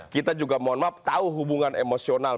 kita juga mohon maaf tahu hubungan emosional